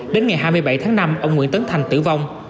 đến ngày hai mươi bảy tháng năm ông nguyễn tấn thành tử vong